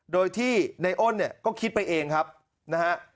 โดยที่ในอ้นเนี่ยก็คิดไปเองครับนะฮะ